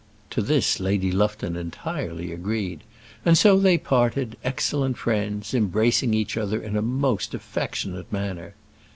To this Lady Lufton entirely agreed; and so they parted, excellent friends, embracing each other in a most affectionate manner.